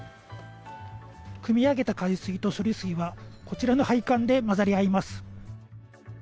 くみ上げた海水と処理水はこちらの配管で混ざり合います。